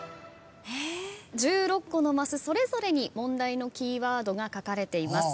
１６個のマスそれぞれに問題のキーワードが書かれています。